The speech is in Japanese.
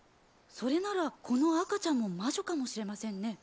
それならこの赤ちゃんも魔女かもしれませんね。